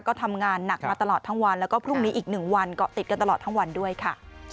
ก็ทำงานหนักมาตลอดทั้งวันแล้วก็พรุ่งนี้อีก๑วันเกาะติดกันตลอดทั้งวันด้วยค่ะ